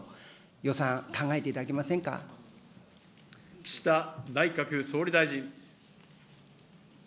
予算、岸田内閣総理大臣。